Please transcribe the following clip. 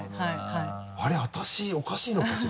あれあたしおかしいのかしら？